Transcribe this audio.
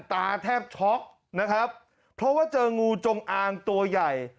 ตาแทบช็อกนะครับเพราะว่าเจองูจงอางตัวใหญ่